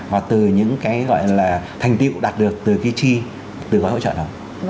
và từ những cái gọi là thành tiệu đạt được từ cái chi từ gói hỗ trợ đó